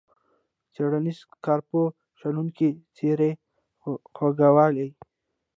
څیړنیز، کارپوه ، شنونکی ، څیره، خوږوالی.